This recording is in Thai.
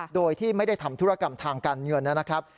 โดยที่ไม่ได้ทำธุรกรรมทางการเงินนะครับ